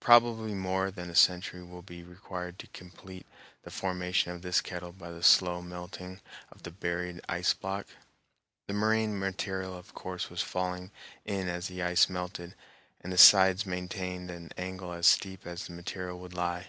Probably more than another century will be required to complete the formation of this kettle by the slow melting of the buried ice block. The moraine material of course was falling in as the ice melted, and the sides maintained an angle as steep as the material would lie.